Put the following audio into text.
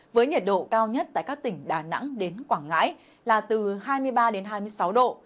với nhiệt độ cao nhất tại các tỉnh đà nẵng đến quảng ngãi là từ hai mươi ba đến hai mươi sáu độ